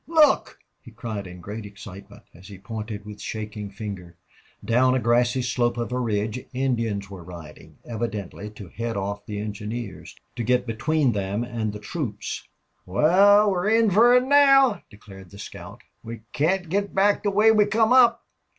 Look!" he cried, in great excitement, as he pointed with shaking finger. Down a grassy slope of a ridge Indians were riding, evidently to head off the engineers, to get between them and the troops. "Wal, we're in fer it now," declared the scout. "We can't get back the way we come up."